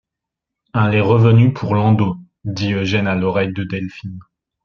Elle est revenue pour l'endos, dit Eugène à l'oreille de Delphine.